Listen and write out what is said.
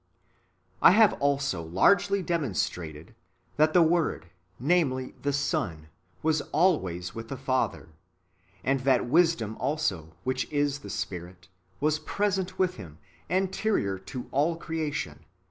I have also largely demonstrated, that the Word, namely the Son, was always with the Father; and that Wisdom also, which is the Spirit, was present with Him, anterior to all creation.